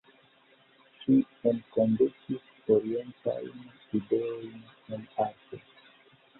Ŝi enkondukis orientajn ideojn en arto.